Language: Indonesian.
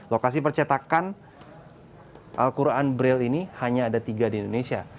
lokasi percetakan al quran braille ini hanya ada tiga di indonesia